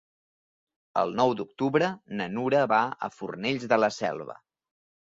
El nou d'octubre na Nura va a Fornells de la Selva.